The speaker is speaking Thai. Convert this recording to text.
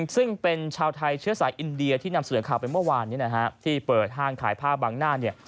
ซึ่งเป็นชาวไทยเชื้อสายอินเดียที่นำเสนอข่าวไปเมื่อวานที่เปิดห้างขายผ้าบางหน้า